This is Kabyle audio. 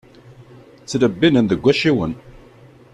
Ttlebbinen deg wacciwen.